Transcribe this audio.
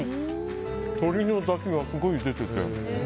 鶏のだしがすごい出てて。